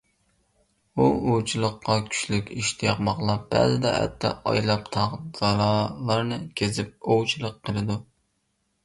ئۇ ئوۋچىلىققا كۈچلۈك ئىشتىياق باغلاپ، بەزىدە ھەتتا ئايلاپ تاغ-دالالارنى كېزىپ ئوۋچىلىق قىلىدۇ.